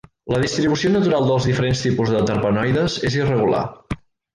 La distribució natural dels diferents tipus de terpenoides és irregular.